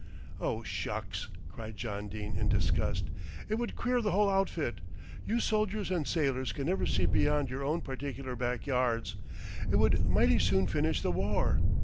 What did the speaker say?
"Oh, shucks!" cried John Dene in disgust. "It would queer the whole outfit. You soldiers and sailors can never see beyond your own particular backyards. It would mighty soon finish the war."